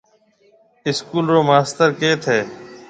اسڪول رو ماستر ڪيٿ هيَ۔